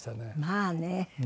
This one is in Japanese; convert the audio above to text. まあね！